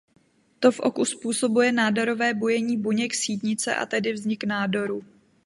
To v oku způsobuje nádorové bujení buněk sítnice a tedy vznik nádoru.